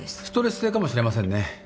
ストレス性かもしれませんね。